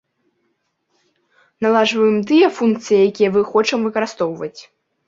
Наладжваем тыя функцыі, якія вы хочам выкарыстоўваць.